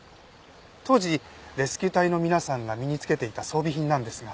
当時レスキュー隊の皆さんが身につけていた装備品なんですが。